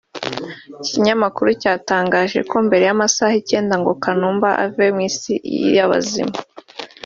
Iki kinyamakuru cyatangaje ko mbere y’amasaha icyenda ngo Kanumba ave mu isi y’abazima